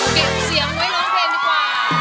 เก็บเสียงไว้ร้องเพลงดีกว่า